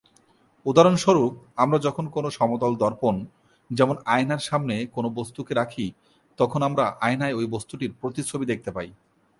উদাহরণস্বরূপ- আমরা যখন কোন সমতল দর্পণ যেমন আয়নার সামনে কোন বস্তুকে রাখি তখন আমরা আয়নায় ঐ বস্তুটির প্রতিচ্ছবি দেখতে পাই।